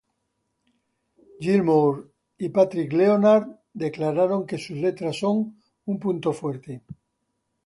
Gilmour y Patrick Leonard declararon que sus letras son un punto fuerte.